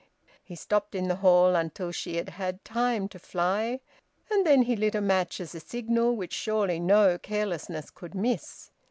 He stopped in the hall until she had had time to fly, and then he lit a match as a signal which surely no carelessness could miss.